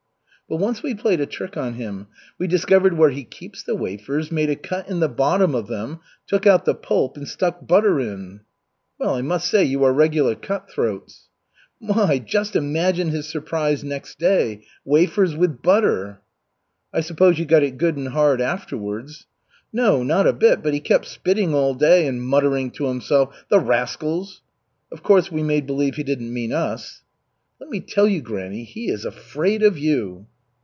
"But once we played a trick on him. We discovered where he keeps the wafers, made a cut in the bottom of them, took out the pulp, and stuck butter in." "Well, I must say you are regular cut throats." "My, just imagine his surprise, next day. Wafers with butter!" "I suppose you got it good and hard afterwards." "No, not a bit. But he kept spitting all day and muttering to himself, 'The rascals!' Of course we made believe he didn't mean us." "Let me tell you, granny, he is afraid of you."